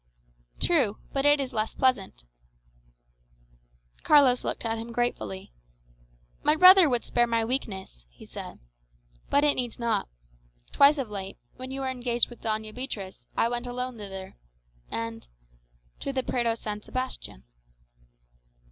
"True; but it is less pleasant." Carlos looked at him gratefully. "My brother would spare my weakness," he said. "But it needs not. Twice of late, when you were engaged with Doña Beatriz, I went alone thither, and to the Prado San Sebastian."